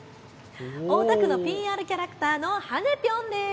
大田区のＰＲキャラクターのはねぴょんです。